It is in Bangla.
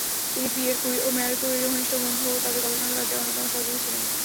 তিনি পিয়ের ক্যুরি ও মারি ক্যুরির ঘনিষ্ঠ বন্ধু ও তাদের গবেষণা কাজের অন্যতম সহযোগী ছিলেন।